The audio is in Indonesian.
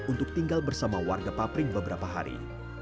untuk tinggal bersama warga papring beberapa hari